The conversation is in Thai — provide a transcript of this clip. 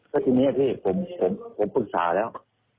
ก็ทีนี้พี่ผมปรึกษาแล้ว